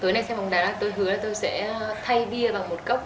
tối nay xe bóng đá tôi hứa là tôi sẽ thay bia vào một cốc